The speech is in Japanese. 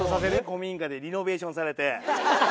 古民家でリノベーションされて。